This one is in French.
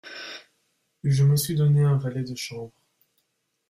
Je me suis donné un valet de chambre.